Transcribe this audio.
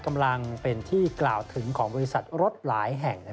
กำลังเป็นที่กล่าวถึงของบริษัทรถหลายแห่ง